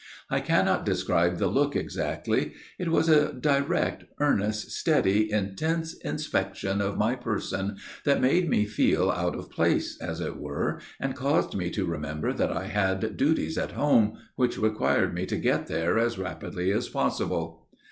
I cannot describe the look exactly. It was a direct, earnest, steady, intense inspection of my person, that made me feel out of place, as it were, and caused me to remember that I had duties at home, which required me to get there as rapidly as possible.